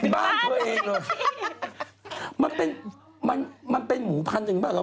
บ้านเค้าเองเลยมันเป็นหมูพันธ์จริงปะครับ